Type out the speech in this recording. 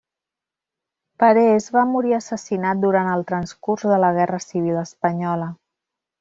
Parés va morir assassinat durant el transcurs de la Guerra Civil Espanyola.